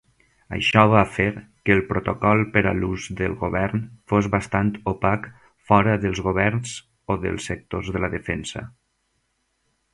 Això va fer que el protocol per a l'ús del govern fos bastant "opac" fora dels governs o dels sectors de la defensa.